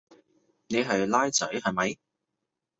你係孻仔係咪？